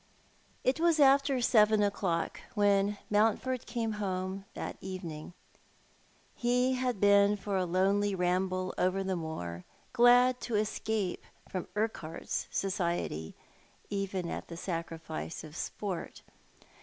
It was after seven o'clock when Mountford came home that evening. He had been for a lonely ramble over the moor, glad to escape from Urquhart's society, even at the sacrifice of sport.